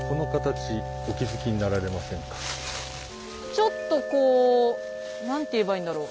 ちょっとこう何て言えばいいんだろう